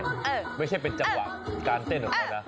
ไม่ใช่เป็นจังหวังแต่การเต้นหรอกนะ